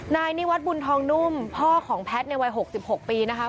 นายนิวัตรบุญทองนุ่มพ่อของแพทย์ในวัย๖๖ปีนะคะ